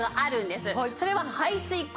それは排水口。